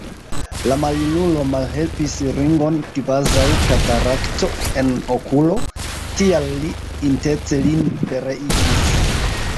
La maljunulo malhelpis Ringon kvazaŭ katarakto en okulo, tial li intence lin pereigis!